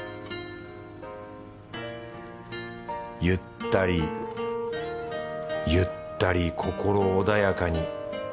ゆったりゆったり心穏やかに。